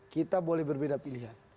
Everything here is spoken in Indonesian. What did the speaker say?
kita boleh berbeda pilihan